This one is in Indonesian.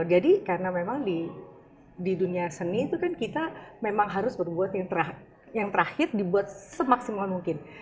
jadi karena memang di dunia seni itu kan kita memang harus berbuat yang terakhir dibuat semaksimal mungkin